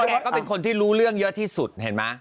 แกก็เป็นคนที่รู้เรื่องเยอะที่สุดเห็นไหม